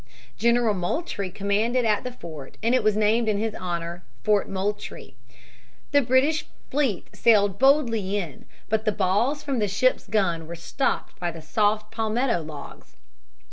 General Moultrie commanded at the fort and it was named in his honor, Fort Moultrie. The British fleet sailed boldly in, but the balls from the ships' guns were stopped by the soft palmetto logs.